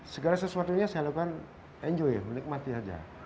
segala sesuatunya saya lakukan enjoy menikmati aja